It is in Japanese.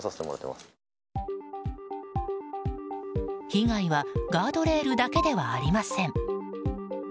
被害はガードレールだけではありません。